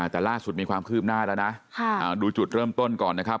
แต่ล่าสุดมีความคืบหน้าแล้วนะดูจุดเริ่มต้นก่อนนะครับ